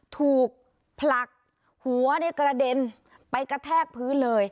ถูกผลักหัวในกระเด็นไปกระแทกพื้นเลย